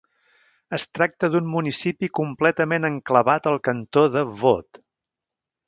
Es tracta d'un municipi completament enclavat al Cantó de Vaud.